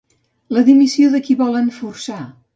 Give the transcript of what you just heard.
La dimissió de qui volen forçar?